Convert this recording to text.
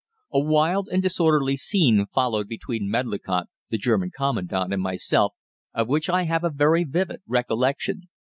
A wild and disorderly scene followed between Medlicott, the German Commandant, and myself, of which I have a very vivid recollection.